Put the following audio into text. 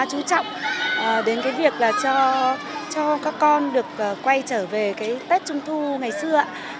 ban tổ chức của chương trình cũng khá trú trọng đến việc cho các con được quay trở về tết trung thu ngày xưa